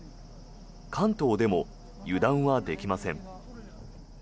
関東でも油断はできません。